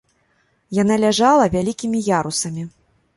Яна ляжала вялікімі ярусамі.